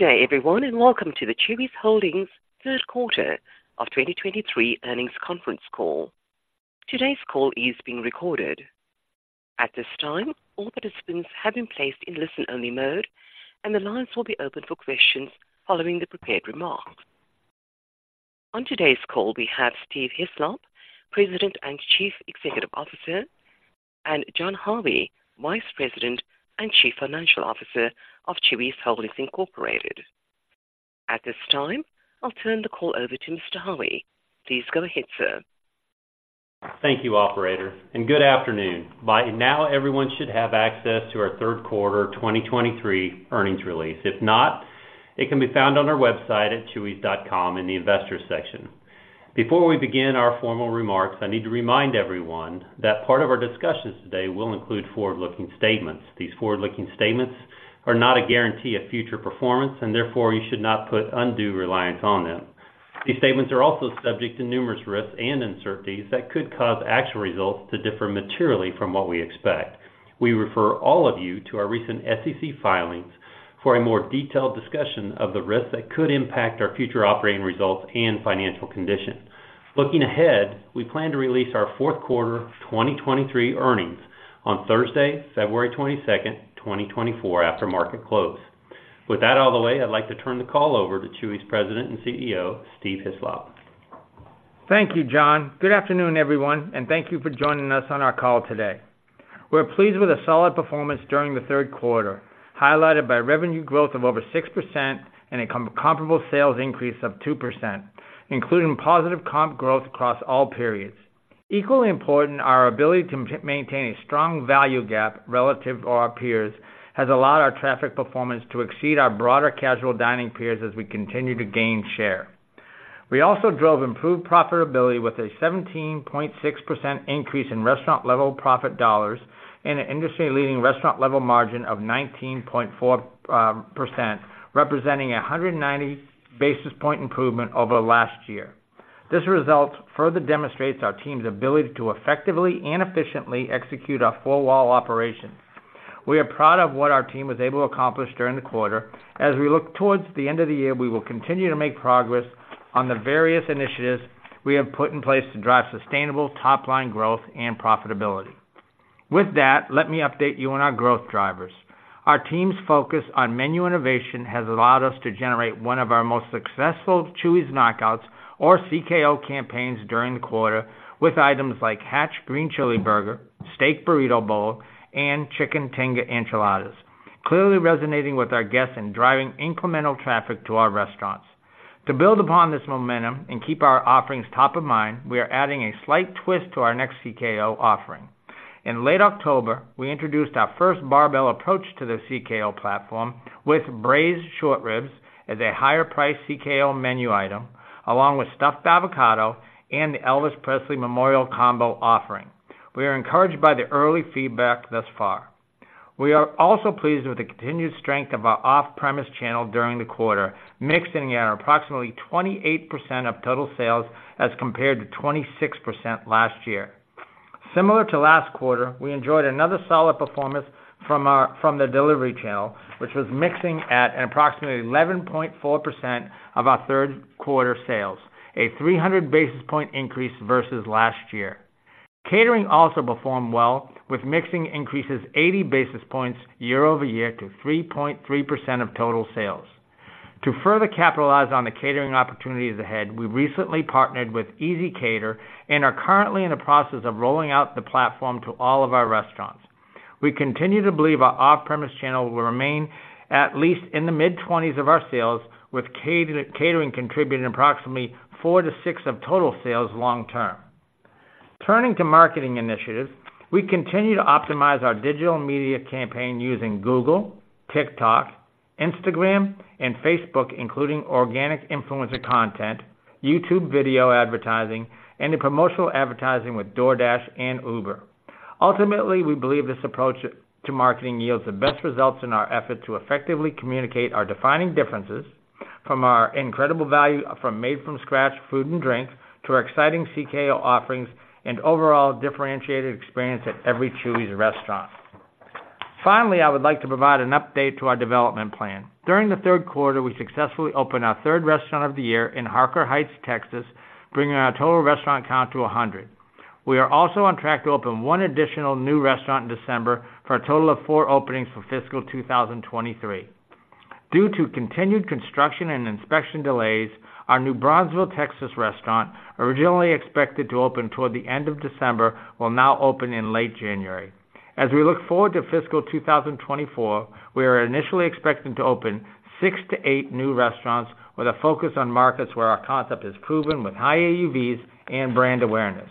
Good day, everyone, and welcome to the Chuy's Holdings third quarter of 2023 earnings conference call. Today's call is being recorded. At this time, all participants have been placed in listen-only mode, and the lines will be open for questions following the prepared remarks. On today's call, we have Steve Hislop, President and Chief Executive Officer, and Jon Howie, Vice President and Chief Financial Officer of Chuy's Holdings, Inc. At this time, I'll turn the call over to Mr. Howie. Please go ahead, sir. Thank you, operator, and good afternoon. By now, everyone should have access to our third quarter 2023 earnings release. If not, it can be found on our website at Chuy's.com in the Investors section. Before we begin our formal remarks, I need to remind everyone that part of our discussions today will include forward-looking statements. These forward-looking statements are not a guarantee of future performance, and therefore you should not put undue reliance on them. These statements are also subject to numerous risks and uncertainties that could cause actual results to differ materially from what we expect. We refer all of you to our recent SEC filings for a more detailed discussion of the risks that could impact our future operating results and financial condition. Looking ahead, we plan to release our fourth quarter 2023 earnings on Thursday, February 22nd, 2024, after market close. With that out of the way, I'd like to turn the call over to Chuy's President and CEO, Steve Hislop. Thank you, Jon. Good afternoon, everyone, and thank you for joining us on our call today. We're pleased with a solid performance during the third quarter, highlighted by revenue growth of over 6% and a comparable sales increase of 2%, including positive comp growth across all periods. Equally important, our ability to maintain a strong value gap relative to our peers has allowed our traffic performance to exceed our broader casual dining peers as we continue to gain share. We also drove improved profitability with a 17.6% increase in restaurant-level profit dollars and an industry-leading restaurant-level margin of 19.4%, representing a 190 basis point improvement over last year. This result further demonstrates our team's ability to effectively and efficiently execute our four-wall operations. We are proud of what our team was able to accomplish during the quarter. As we look towards the end of the year, we will continue to make progress on the various initiatives we have put in place to drive sustainable top-line growth and profitability. With that, let me update you on our growth drivers. Our team's focus on menu innovation has allowed us to generate one of our most successful Chuy's Knockouts or CKO campaigns during the quarter, with items like Hatch Green Chile Burger, Steak Burrito Bowl, and Chicken Tinga Enchiladas, clearly resonating with our guests and driving incremental traffic to our restaurants. To build upon this momentum and keep our offerings top of mind, we are adding a slight twist to our next CKO offering. In late October, we introduced our first barbell approach to the CKO platform, with Braised Short Ribs as a higher-priced CKO menu item, along with Stuffed Avocado and the Elvis Presley Memorial Combo offering. We are encouraged by the early feedback thus far. We are also pleased with the continued strength of our off-premise channel during the quarter, mixing at approximately 28% of total sales as compared to 26% last year. Similar to last quarter, we enjoyed another solid performance from the delivery channel, which was mixing at approximately 11.4% of our third quarter sales, a three hundred basis point increase versus last year. Catering also performed well, with mixing increases eighty basis points year-over-year to 3.3% of total sales. To further capitalize on the catering opportunities ahead, we recently partnered with ezCater and are currently in the process of rolling out the platform to all of our restaurants. We continue to believe our off-premise channel will remain at least in the mid-20s of our sales, with catering contributing approximately 4%-6% of total sales long term. Turning to marketing initiatives, we continue to optimize our digital media campaign using Google, TikTok, Instagram, and Facebook, including organic influencer content, YouTube video advertising, and the promotional advertising with DoorDash and Uber. Ultimately, we believe this approach to marketing yields the best results in our effort to effectively communicate our defining differences from our incredible value, from made-from-scratch food and drink to our exciting CKO offerings and overall differentiated experience at every Chuy's restaurant. Finally, I would like to provide an update to our development plan. During the third quarter, we successfully opened our third restaurant of the year in Harker Heights, Texas, bringing our total restaurant count to 100. We are also on track to open one additional new restaurant in December for a total of four openings for fiscal 2023. Due to continued construction and inspection delays, our new Brownsville, Texas, restaurant, originally expected to open toward the end of December, will now open in late January. As we look forward to fiscal 2024, we are initially expecting to open six to eight new restaurants with a focus on markets where our concept is proven with high AUVs and brand awareness.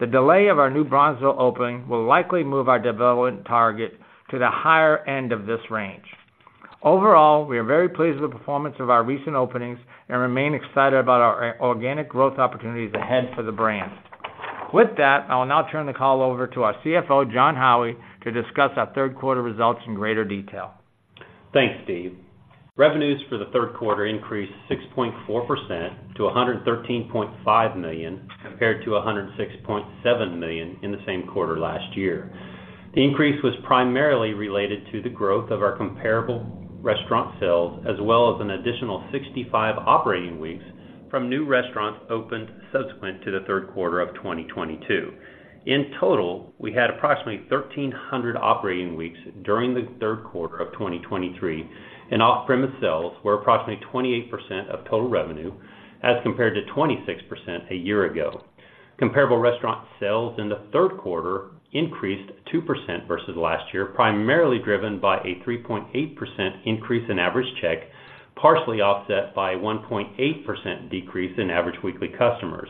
The delay of our new Brownsville opening will likely move our development target to the higher end of this range. Overall, we are very pleased with the performance of our recent openings and remain excited about our organic growth opportunities ahead for the brand. With that, I will now turn the call over to our CFO, Jon Howie, to discuss our third quarter results in greater detail. Thanks, Steve. Revenues for the third quarter increased 6.4% to $113.5 million, compared to $106.7 million in the same quarter last year. The increase was primarily related to the growth of our comparable restaurant sales, as well as an additional 65 operating weeks from new restaurants opened subsequent to the third quarter of 2022. In total, we had approximately 1,300 operating weeks during the third quarter of 2023, and off-premise sales were approximately 28% of total revenue, as compared to 26% a year ago. Comparable restaurant sales in the third quarter increased 2% versus last year, primarily driven by a 3.8% increase in average check, partially offset by 1.8% decrease in average weekly customers.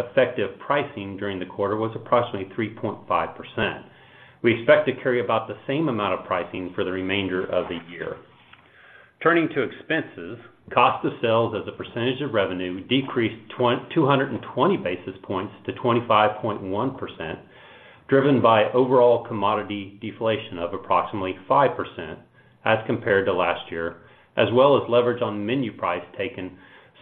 Effective pricing during the quarter was approximately 3.5%. We expect to carry about the same amount of pricing for the remainder of the year. Turning to expenses, cost of sales as a percentage of revenue decreased 220 basis points to 25.1%, driven by overall commodity deflation of approximately 5% as compared to last year, as well as leverage on menu price taken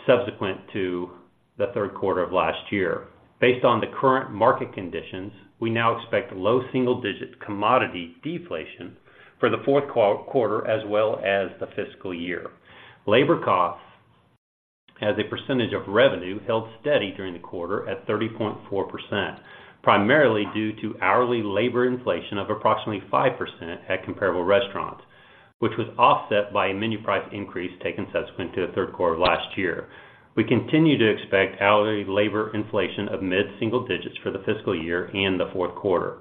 subsequent to the third quarter of last year. Based on the current market conditions, we now expect low single-digit commodity deflation for the fourth quarter, as well as the fiscal year. Labor costs as a percentage of revenue held steady during the quarter at 30.4%, primarily due to hourly labor inflation of approximately 5% at comparable restaurants, which was offset by a menu price increase taken subsequent to the third quarter of last year. We continue to expect hourly labor inflation of mid-single digits for the fiscal year and the fourth quarter.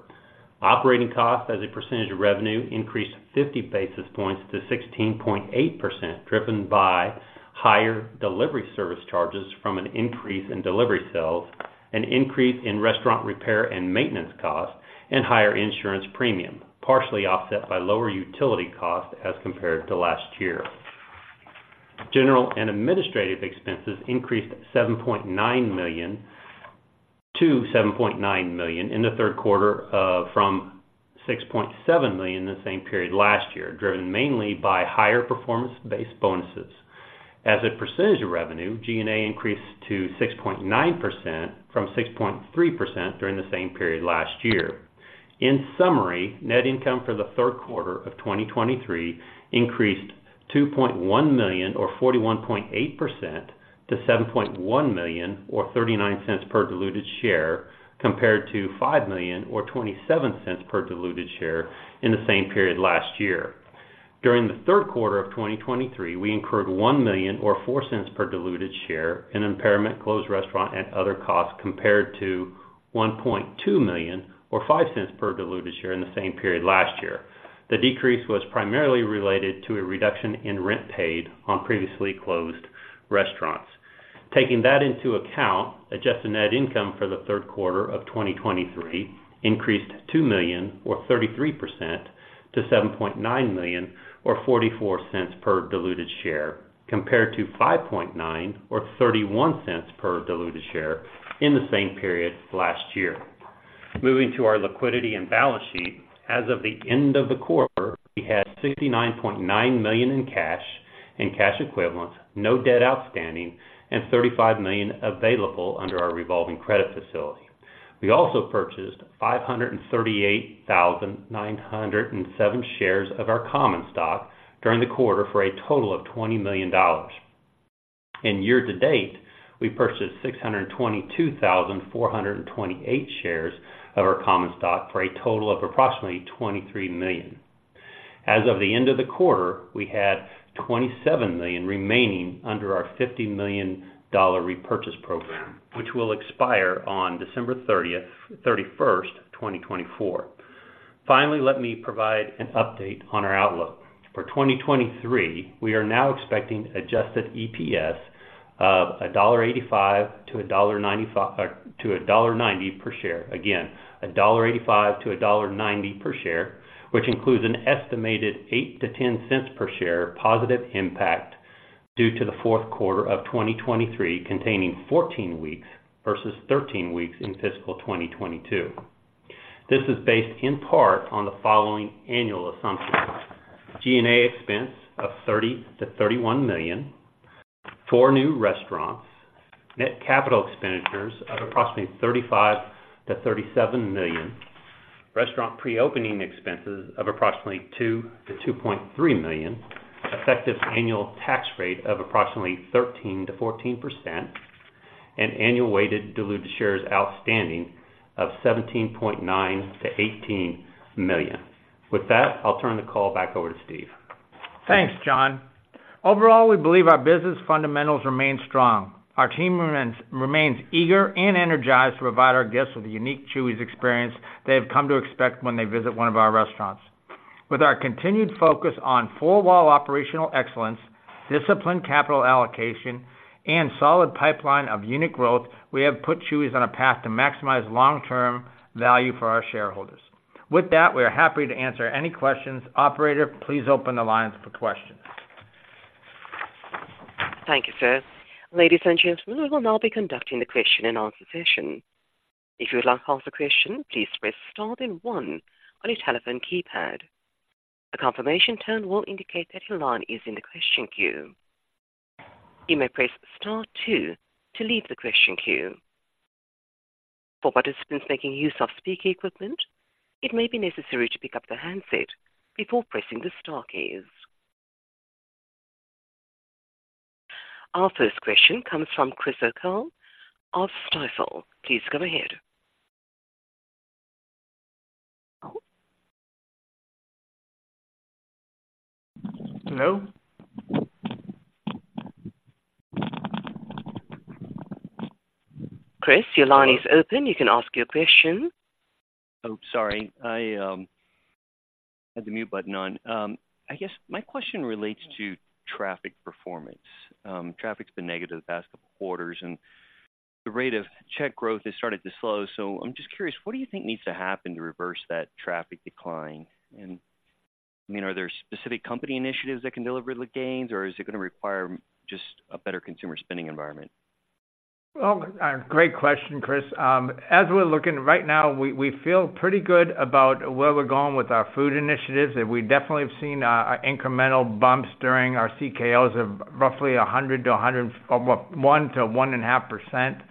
Operating costs as a percentage of revenue increased 50 basis points to 16.8%, driven by higher delivery service charges from an increase in delivery sales, an increase in restaurant repair and maintenance costs, and higher insurance premium, partially offset by lower utility costs as compared to last year. General and administrative expenses increased to $7.9 million in the third quarter, from $6.7 million in the same period last year, driven mainly by higher performance-based bonuses. As a percentage of revenue, G&A increased to 6.9% from 6.3% during the same period last year. In summary, net income for the third quarter of 2023 increased $2.1 million, or 41.8% to $7.1 million, or $0.39 per diluted share, compared to $5 million or $0.27 per diluted share in the same period last year. During the third quarter of 2023, we incurred $1 million or $0.04 per diluted share in impairment, closed restaurant and other costs, compared to $1.2 million or $0.05 per diluted share in the same period last year. The decrease was primarily related to a reduction in rent paid on previously closed restaurants. Taking that into account, adjusted net income for the third quarter of 2023 increased $2 million or 33% to $7.9 million or $0.44 per diluted share, compared to $5.9 million or $0.31 per diluted share in the same period last year. Moving to our liquidity and balance sheet. As of the end of the quarter, we had $69.9 million in cash and cash equivalents, no debt outstanding, and $35 million available under our revolving credit facility. We also purchased 538,907 shares of our common stock during the quarter, for a total of $20 million. In year to date, we purchased 622,428 shares of our common stock, for a total of approximately $23 million. As of the end of the quarter, we had $27 million remaining under our $50 million repurchase program, which will expire on December 31, 2024. Finally, let me provide an update on our outlook. For 2023, we are now expecting adjusted EPS of $1.85-$1.90 per share. Again, $1.85-$1.90 per share, which includes an estimated $0.08-$0.10 per share positive impact due to the fourth quarter of 2023 containing 14 weeks versus 13 weeks in fiscal 2022. This is based in part on the following annual assumptions: G&A expense of $30-$31 million, 4 new restaurants, net capital expenditures of approximately $35-$37 million, restaurant pre-opening expenses of approximately $2-$2.3 million, effective annual tax rate of approximately 13%-14%, and annual weighted diluted shares outstanding of 17.9-18 million. With that, I'll turn the call back over to Steve. Thanks, Jon. Overall, we believe our business fundamentals remain strong. Our team remains eager and energized to provide our guests with a unique Chuy's experience they have come to expect when they visit one of our restaurants. With our continued focus on four wall operational excellence, disciplined capital allocation, and solid pipeline of unique growth, we have put Chuy's on a path to maximize long-term value for our shareholders. With that, we are happy to answer any questions. Operator, please open the lines for questions. Thank you, sir. Ladies and gentlemen, we will now be conducting the question and answer session. If you would like to ask a question, please press star then one on your telephone keypad. A confirmation tone will indicate that your line is in the question queue. .You may press star two to leave the question queue. For participants making use of speaker equipment, it may be necessary to pick up the handset before pressing the star keys. Our first question comes from Chris O'Cull of Stifel. Please go ahead. Hello? Chris, your line is open. You can ask your question. Oh, sorry. I had the mute button on. I guess my question relates to traffic performance. Traffic's been negative the past couple of quarters, and the rate of check growth has started to slow. So I'm just curious, what do you think needs to happen to reverse that traffic decline? And, I mean, are there specific company initiatives that can deliver the gains, or is it gonna require just a better consumer spending environment? Well, great question, Chris. As we're looking right now, we feel pretty good about where we're going with our food initiatives, and we definitely have seen incremental bumps during our CKOs of roughly 100 to 100, well, 1 to 1.5%.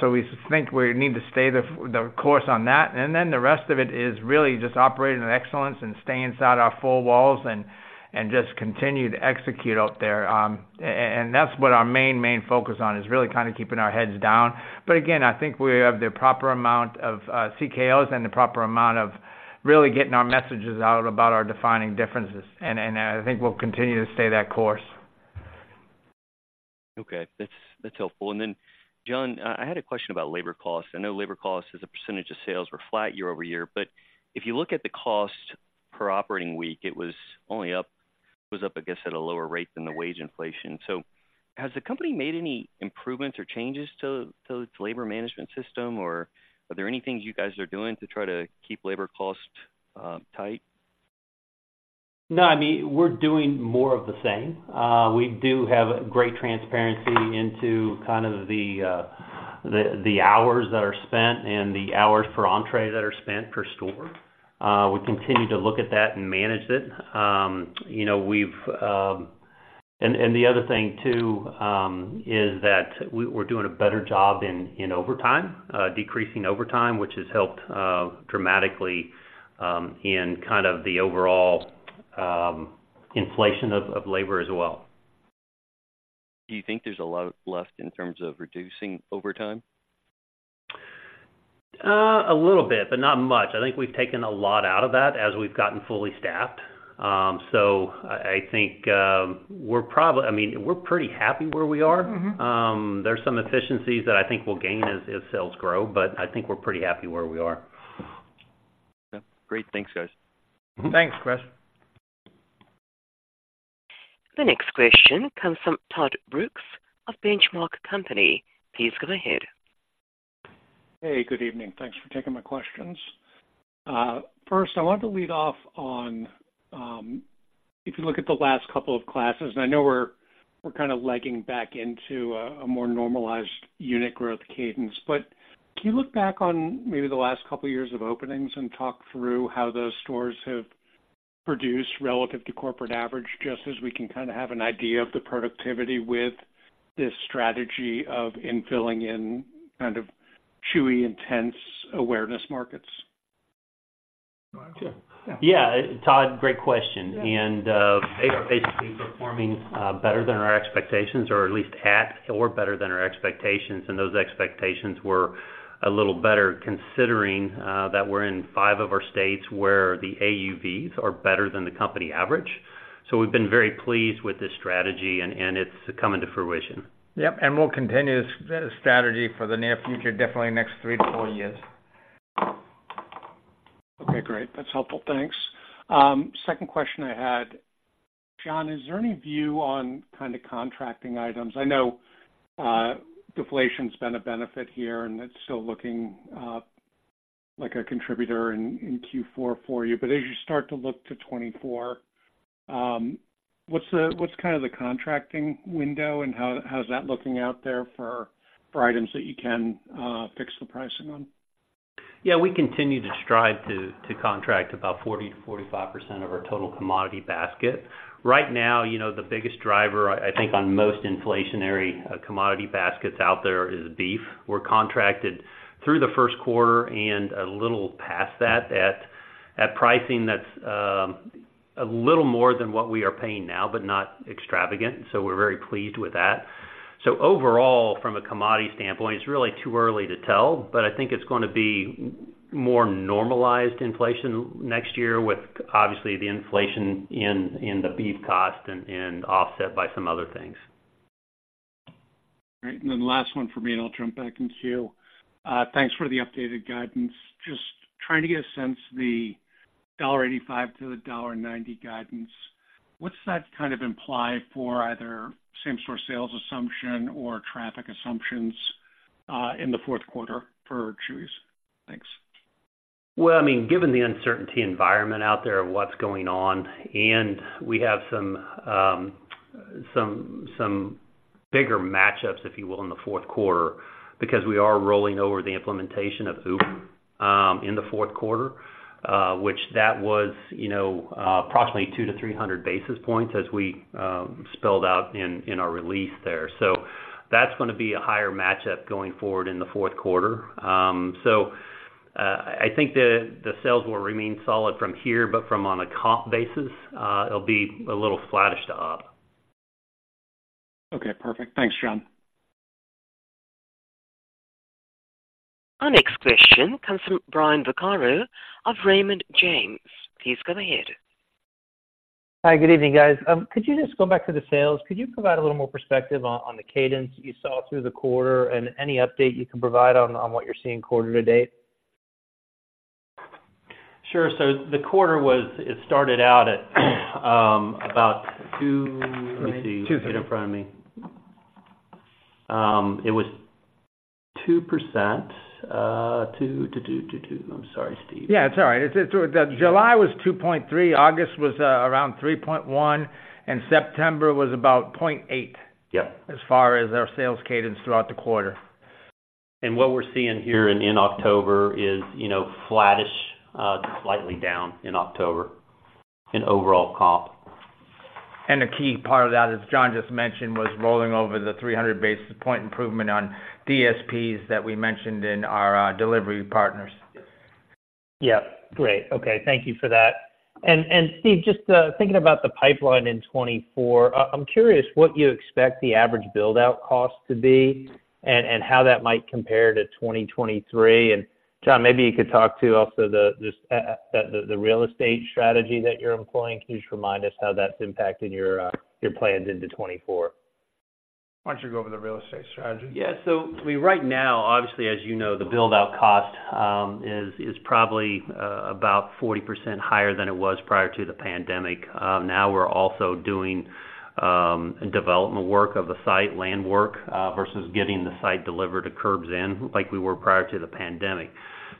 So we think we need to stay the course on that. Then the rest of it is really just operating in excellence and staying inside our four walls and just continue to execute out there. And that's what our main, main focus on is, really kind of keeping our heads down. But again, I think we have the proper amount of CKOs and the proper amount of really getting our messages out about our defining differences. And I think we'll continue to stay that course. Okay, that's, that's helpful. And then, Jon, I, I had a question about labor costs. I know labor costs as a percentage of sales were flat year-over-year, but if you look at the cost per operating week, it was only up, it was up, I guess, at a lower rate than the wage inflation. So has the company made any improvements or changes to, to its labor management system, or are there any things you guys are doing to try to keep labor costs tight? No, I mean, we're doing more of the same. We do have great transparency into kind of the hours that are spent and the hours per entree that are spent per store. We continue to look at that and manage it. You know, we've... And the other thing too is that we're doing a better job in decreasing overtime, which has helped dramatically in kind of the overall inflation of labor as well. Do you think there's a lot left in terms of reducing overtime? A little bit, but not much. I think we've taken a lot out of that as we've gotten fully staffed. So I think, we're probably—I mean, we're pretty happy where we are. Mm-hmm. There's some efficiencies that I think we'll gain as sales grow, but I think we're pretty happy where we are. Great. Thanks, guys. Thanks, Chris. The next question comes from Todd Brooks of Benchmark Company. Please go ahead. Hey, good evening. Thanks for taking my questions. First, I want to lead off on, if you look at the last couple of classes, and I know we're kind of legging back into a more normalized unit growth cadence, but can you look back on maybe the last couple of years of openings and talk through how those stores have produced relative to corporate average, just as we can kind of have an idea of the productivity with this strategy of infilling in kind of Chuy's intense awareness markets? Yeah, Todd, great question. They are basically performing better than our expectations, or at least at or better than our expectations. Those expectations were a little better, considering that we're in five of our states where the AUVs are better than the company average. So we've been very pleased with this strategy, and it's coming to fruition. Yep, and we'll continue this, the strategy for the near future, definitely next 3-4 years. Okay, great. That's helpful. Thanks. Second question I had: Jon, is there any view on kind of contracting items? I know deflation's been a benefit here, and it's still looking like a contributor in Q4 for you. But as you start to look to 2024, what's the- what's kind of the contracting window and how is that looking out there for items that you can fix the pricing on? Yeah, we continue to strive to contract about 40%-45% of our total commodity basket. Right now, you know, the biggest driver, I think, on most inflationary commodity baskets out there is beef. We're contracted through the first quarter and a little past that, at pricing that's a little more than what we are paying now, but not extravagant, so we're very pleased with that. So overall, from a commodity standpoint, it's really too early to tell, but I think it's gonna be more normalized inflation next year, with obviously the inflation in the beef cost and offset by some other things. Great. And then the last one for me, and I'll jump back in queue. Thanks for the updated guidance. Just trying to get a sense, the $1.85-$1.90 guidance, what's that kind of imply for either same-store sales assumption or traffic assumptions, in the fourth quarter for Chuy's? Thanks. Well, I mean, given the uncertainty environment out there of what's going on, and we have some bigger matchups, if you will, in the fourth quarter, because we are rolling over the implementation of Uber in the fourth quarter, which that was, you know, approximately 200-300 basis points as we spelled out in our release there. So that's gonna be a higher matchup going forward in the fourth quarter. So I think the sales will remain solid from here, but from on a comp basis, it'll be a little flattish to up. Okay, perfect. Thanks, Jon. Our next question comes from Brian Vaccaro of Raymond James. Please go ahead. Hi, good evening, guys. Could you just go back to the sales? Could you provide a little more perspective on, on the cadence you saw through the quarter and any update you can provide on, on what you're seeing quarter to date? Sure. So the quarter was. It started out at about two. Let me see. It's in front of me. It was 2%. I'm sorry, Steve. Yeah, it's all right. July was 2.3, August was around 3.1, and September was about 0.8. Yeah. as far as our sales cadence throughout the quarter. What we're seeing here in October is, you know, flattish to slightly down in October in overall comp. A key part of that, as Jon just mentioned, was rolling over the 300 basis point improvement on DSPs that we mentioned in our delivery partners. Yeah. Great. Okay, thank you for that. And Steve, just thinking about the pipeline in 2024, I'm curious what you expect the average build-out cost to be and how that might compare to 2023. And, Jon, maybe you could talk to also this the real estate strategy that you're employing. Can you just remind us how that's impacting your plans into 2024? Why don't you go over the real estate strategy? Yeah. So I mean, right now, obviously, as you know, the build-out cost is probably about 40% higher than it was prior to the pandemic. Now we're also doing development work of the site, land work, versus getting the site delivered to curbs in, like we were prior to the pandemic.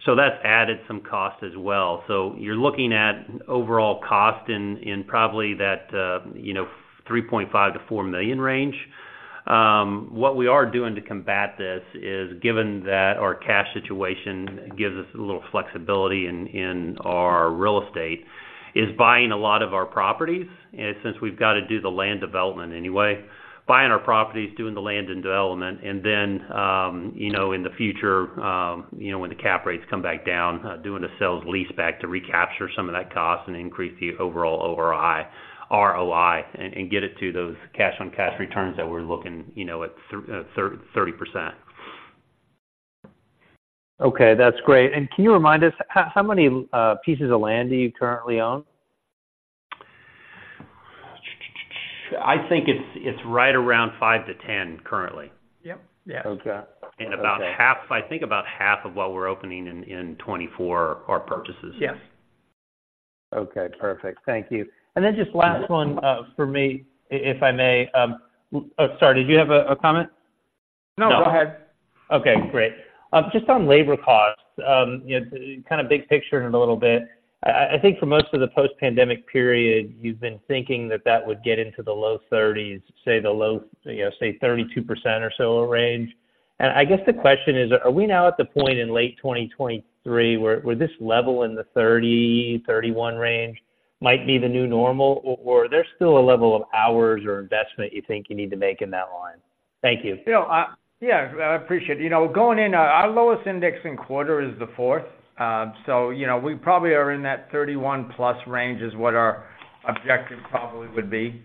So that's added some cost as well. So you're looking at overall cost in probably that, you know, $3.5 million-$4 million range. What we are doing to combat this is, given that our cash situation gives us a little flexibility in our real estate, is buying a lot of our properties. Since we've got to do the land development anyway, buying our properties, doing the land development, and then, you know, in the future, you know, when the cap rates come back down, doing the sales leaseback to recapture some of that cost and increase the overall ROI, ROI, and, and get it to those cash-on-cash returns that we're looking, you know, at 30%. Okay, that's great. And can you remind us, how many pieces of land do you currently own? I think it's right around 5-10 currently. Yep. Yeah. Okay. About half, I think about half of what we're opening in 2024 are purchases. Yes. Okay, perfect. Thank you. And then just last one for me, if I may... Oh, sorry, did you have a comment? No, go ahead. Okay, great. Just on labor costs, you know, kind of big picture in a little bit. I think for most of the post-pandemic period, you've been thinking that that would get into the low 30s, say, the low, you know, say, 32% or so range. And I guess the question is, are we now at the point in late 2023, where this level in the 30%-31% range might be the new normal, or there's still a level of hours or investment you think you need to make in that line? Thank you. You know, yeah, I appreciate it. You know, going in, our lowest indexing quarter is the fourth. So you know, we probably are in that 31%+ range is what our objective probably would be.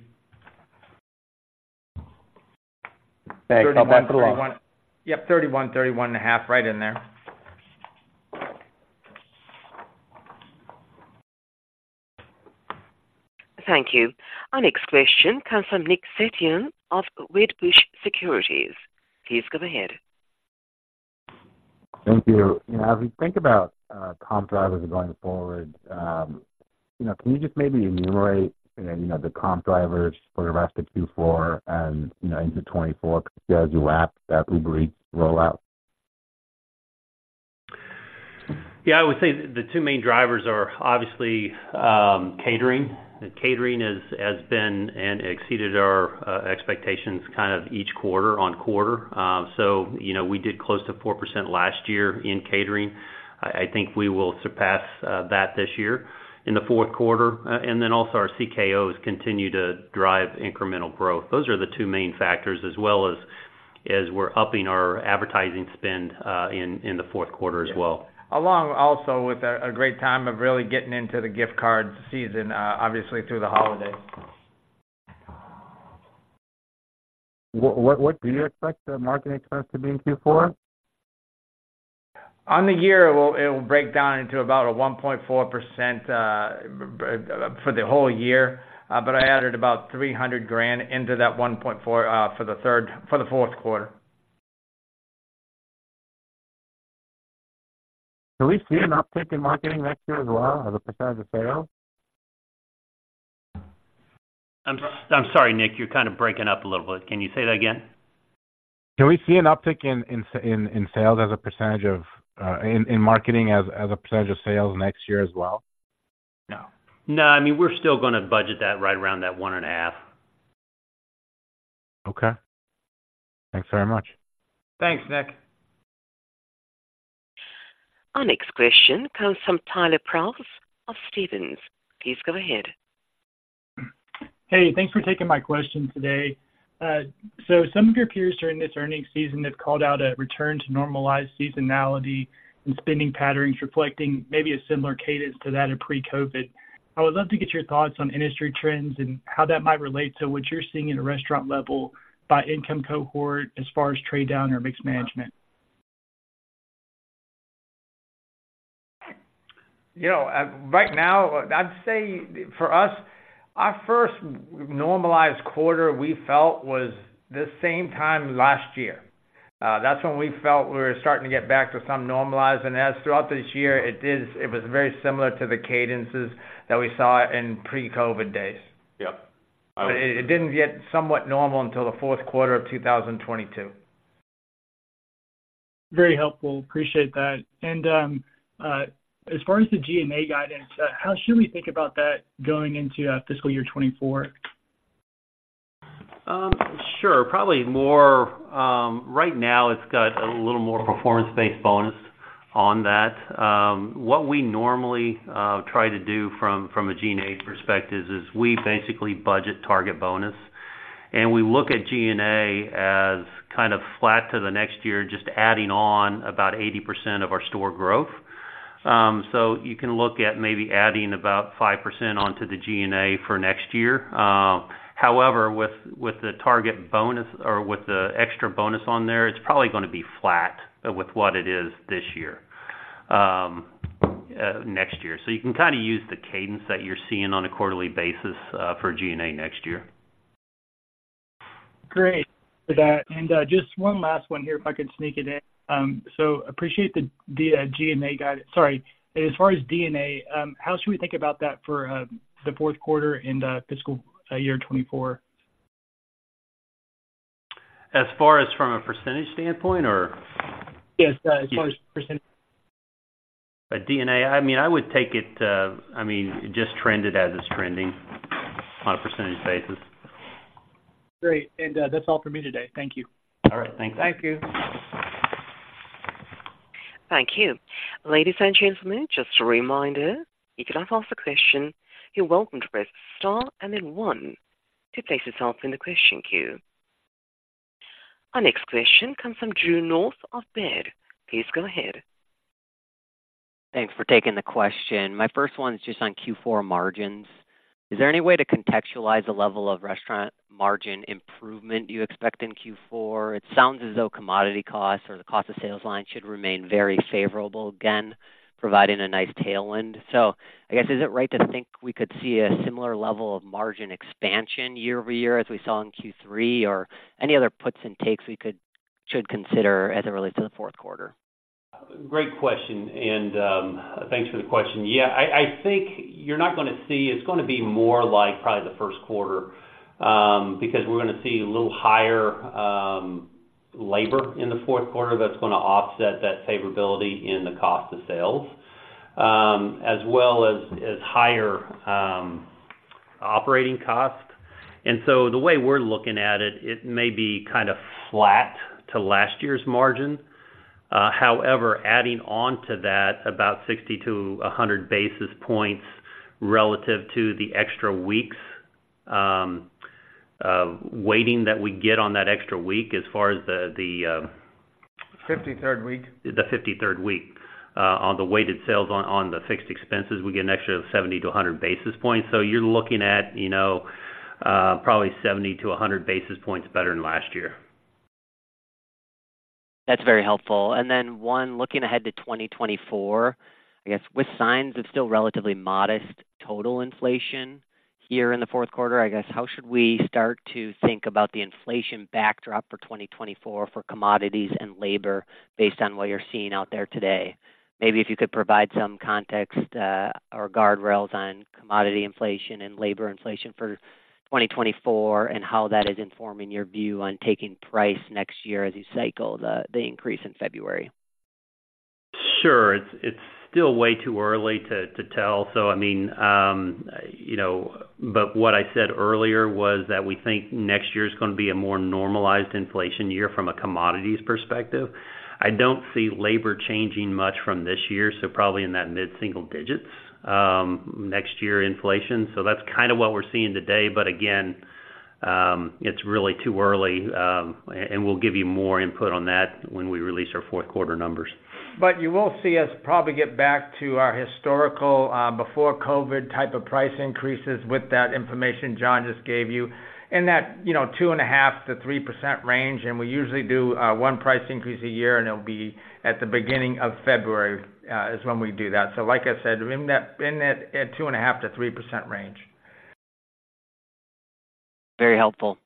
Okay, about 31- Yep, 31%, 31.5%, right in there. Thank you. Our next question comes from Nick Setyan of Wedbush Securities. Please go ahead. Thank you. As we think about comp drivers going forward, you know, can you just maybe enumerate, you know, the comp drivers for the rest of Q4 and, you know, into 2024 as you wrap that Uber Eats rollout? Yeah, I would say the two main drivers are obviously catering. Catering has been and exceeded our expectations kind of each quarter-over-quarter. So you know, we did close to 4% last year in catering. I think we will surpass that this year in the fourth quarter. And then also our CKO has continued to drive incremental growth. Those are the two main factors, as well as we're upping our advertising spend in the fourth quarter as well. Along also with a great time of really getting into the gift card season, obviously through the holidays. What do you expect the marketing expense to be in Q4? On the year, it will, it'll break down into about a 1.4%, but for the whole year, but I added about $300,000 into that 1.4%, for the fourth quarter. Do we see an uptick in marketing next year as well, as a percentage of sales?... I'm sorry, Nick. You're kind of breaking up a little bit. Can you say that again? Can we see an uptick in marketing as a percentage of sales next year as well? No. No, I mean, we're still gonna budget that right around that 1.5%. Okay. Thanks very much. Thanks, Nick. Our next question comes from Tyler Prause of Stephens Inc. Please go ahead. Hey, thanks for taking my question today. So some of your peers during this earnings season have called out a return to normalized seasonality and spending patterns, reflecting maybe a similar cadence to that of pre-COVID. I would love to get your thoughts on industry trends and how that might relate to what you're seeing at a restaurant level by income cohort as far as trade down or mix management. You know, right now, I'd say for us, our first normalized quarter we felt was the same time last year. That's when we felt we were starting to get back to some normalized. And as throughout this year, it is, it was very similar to the cadences that we saw in pre-COVID days. Yep. It didn't get somewhat normal until the fourth quarter of 2022. Very helpful. Appreciate that. And, as far as the G&A guidance, how should we think about that going into fiscal year 2024? Sure. Probably more, right now it's got a little more performance-based bonus on that. What we normally try to do from a G&A perspective is we basically budget target bonus, and we look at G&A as kind of flat to the next year, just adding on about 80% of our store growth. So you can look at maybe adding about 5% onto the G&A for next year. However, with the target bonus or with the extra bonus on there, it's probably gonna be flat with what it is this year, next year. So you can kind of use the cadence that you're seeing on a quarterly basis for G&A next year. Great. And, just one last one here, if I could sneak it in. So appreciate the G&A guidance—sorry, as far as D&A, how should we think about that for the fourth quarter in the fiscal year 2024? As far as from a percentage standpoint, or? Yes, as far as percentage. But D&A, I mean, I would take it, I mean, just trend it as it's trending on a percentage basis. Great, and, that's all for me today. Thank you. All right. Thanks. Thank you. Thank you. Ladies and gentlemen, just a reminder, if you'd like to ask a question, you're welcome to press star and then one to place yourself in the question queue. Our next question comes from Drew North of Baird. Please go ahead. Thanks for taking the question. My first one is just on Q4 margins. Is there any way to contextualize the level of restaurant margin improvement you expect in Q4? It sounds as though commodity costs or the cost of sales line should remain very favorable, again, providing a nice tailwind. So I guess, is it right to think we could see a similar level of margin expansion year-over-year as we saw in Q3, or any other puts and takes we should consider as it relates to the fourth quarter? Great question, and, thanks for the question. Yeah, I, I think you're not gonna see... It's gonna be more like probably the first quarter, because we're gonna see a little higher, labor in the fourth quarter that's gonna offset that favorability in the cost of sales, as well as, as higher, operating costs. And so the way we're looking at it, it may be kind of flat to last year's margin. However, adding on to that, about 60-100 basis points relative to the extra weeks, weighting that we get on that extra week as far as the, the, 53rd week. The 53rd week, on the weighted sales on, on the fixed expenses, we get an extra 70-100 basis points. So you're looking at, you know, probably 70-100 basis points better than last year. That's very helpful. And then, one, looking ahead to 2024, I guess with signs of still relatively modest total inflation here in the fourth quarter, I guess, how should we start to think about the inflation backdrop for 2024 for commodities and labor based on what you're seeing out there today? Maybe if you could provide some context, or guardrails on commodity inflation and labor inflation for 2024, and how that is informing your view on taking price next year as you cycle the, the increase in February. Sure. It's still way too early to tell. So, I mean, you know, but what I said earlier was that we think next year is gonna be a more normalized inflation year from a commodities perspective. I don't see labor changing much from this year, so probably in that mid-single digits next year inflation. So that's kind of what we're seeing today. But again, it's really too early, and we'll give you more input on that when we release our fourth quarter numbers. But you will see us probably get back to our historical, before COVID type of price increases with that information Jon just gave you, in that, you know, 2.5%-3% range, and we usually do, one price increase a year, and it'll be at the beginning of February, is when we do that. So like I said, in that, in that, at 2.5%-3% range. Very helpful.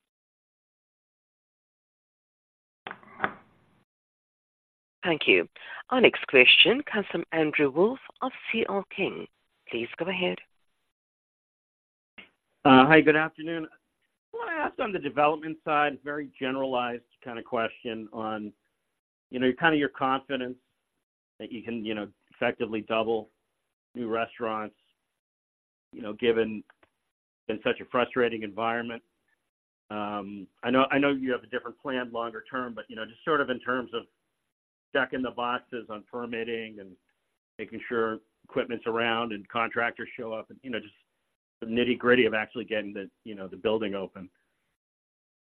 Thank you. Our next question comes from Andrew Wolf of C.L. King. Please go ahead. Hi, good afternoon. I want to ask on the development side, very generalized kind of question on, you know, kind of your confidence that you can, you know, effectively double new restaurants, you know, given in such a frustrating environment. I know, I know you have a different plan longer term, but, you know, just sort of in terms of checking the boxes on permitting and making sure equipment's around and contractors show up and, you know, just the nitty-gritty of actually getting the, you know, the building open.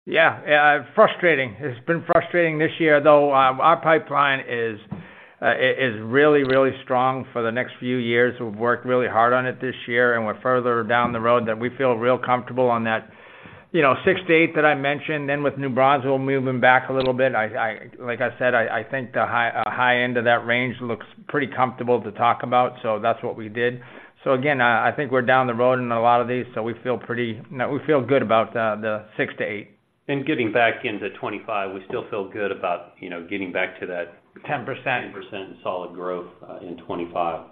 Yeah, yeah, frustrating. It's been frustrating this year, though, our pipeline is really, really strong for the next few years. We've worked really hard on it this year, and we're further down the road that we feel real comfortable on that. You know, 6%-8% that I mentioned then with new Brownsville moving back a little bit, like I said, I think the high end of that range looks pretty comfortable to talk about. So that's what we did. So again, I think we're down the road in a lot of these, so we feel pretty... You know, we feel good about the 6%-8%. Getting back into 2025, we still feel good about, you know, getting back to that- 10% 10% solid growth in 2025.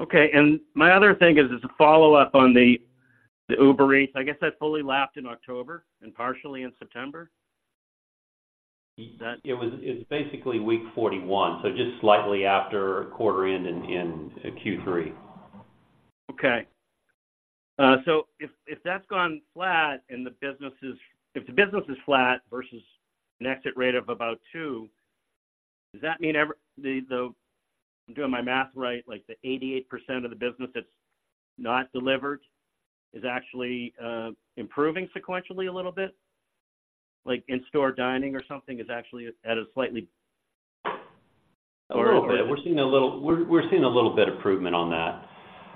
Okay. And my other thing is, as a follow-up on the Uber Eats, I guess that fully lapped in October and partially in September? It's basically week 41, so just slightly after quarter end in Q3. Okay. So if that's gone flat and the business is—if the business is flat versus an exit rate of about two, does that mean I'm doing my math right, like the 88% of the business that's not delivered is actually improving sequentially a little bit? Like, in-store dining or something is actually at a slightly- A little bit. We're seeing a little bit improvement on that.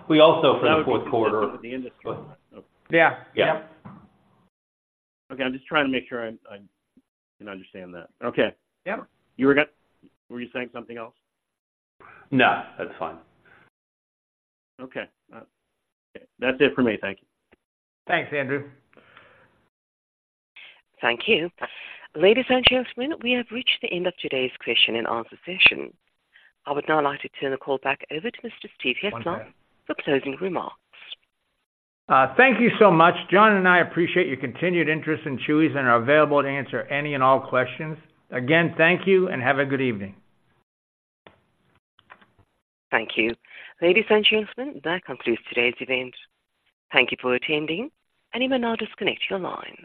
We also for the fourth quarter- In the industry. Yeah. Yeah. Okay. I'm just trying to make sure I, I can understand that. Okay. Yeah. Were you saying something else? No, that's fine. Okay. That's it for me. Thank you. Thanks, Andrew. Thank you. Ladies and gentlemen, we have reached the end of today's question and answer session. I would now like to turn the call back over to Mr. Steve Hislop for closing remarks. Thank you so much. Jon and I appreciate your continued interest in Chuy's and are available to answer any and all questions. Again, thank you and have a good evening. Thank you. Ladies and gentlemen, that concludes today's event. Thank you for attending, and you may now disconnect your line.